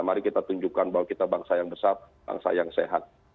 mari kita tunjukkan bahwa kita bangsa yang besar bangsa yang sehat